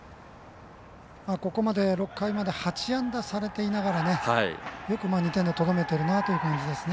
６回まで８安打されていながらよく２点でとどめているなという感じですね。